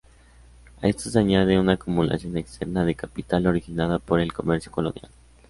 A esto se añade una acumulación externa de capital originada por el comercio colonial.